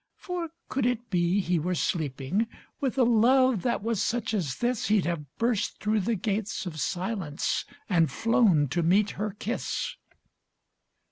"For could it be he were sleeping. With a love that was such as this He'd have burst through the gates of silence, And flown to meet her kiss."